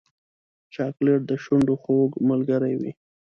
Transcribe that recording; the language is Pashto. چاکلېټ د شونډو خوږ ملګری وي.